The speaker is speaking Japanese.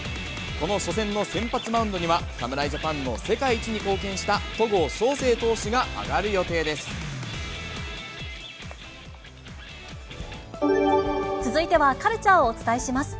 この初戦の先発マウンドには侍ジャパンの世界一に貢献した戸郷翔続いては、カルチャーをお伝えします。